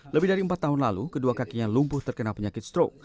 lebih dari empat tahun lalu kedua kakinya lumpuh terkena penyakit stroke